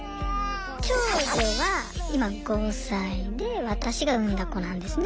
長女は今５歳で私が産んだ子なんですね。